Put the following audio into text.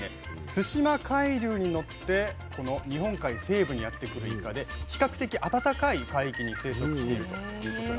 対馬海流に乗ってこの日本海西部にやってくるイカで比較的暖かい海域に生息しているということなんですね。